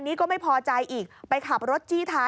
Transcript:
นี่ค่ะคุณผู้ชมพอเราคุยกับเพื่อนบ้านเสร็จแล้วนะน้า